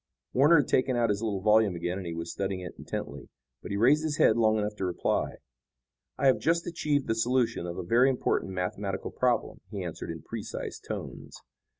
Warner had taken out his little volume again and was studying it intently. But he raised his head long enough to reply. "I have just achieved the solution of a very important mathematical problem," he answered in precise tones.